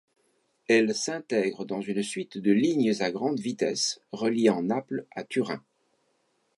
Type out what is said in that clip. Elle s'intègre dans une suite de lignes à grande vitesse reliant Naples à Turin.